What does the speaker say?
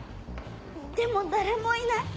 でも誰もいない。